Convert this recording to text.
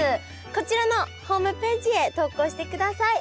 こちらのホームページへ投稿してください。